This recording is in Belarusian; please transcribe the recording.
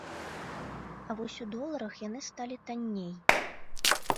А вось у доларах яны сталі танней.